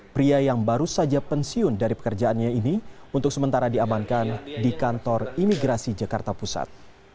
pria yang baru saja pensiun dari pekerjaannya ini untuk sementara diamankan di kantor imigrasi jakarta pusat